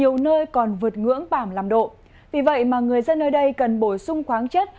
nhiều nơi còn vượt ngưỡng bảm lầm độ vì vậy mà người dân ở đây cần bổ sung khoáng chất